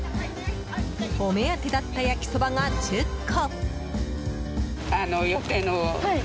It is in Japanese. お目当てだった焼きそばが１０個！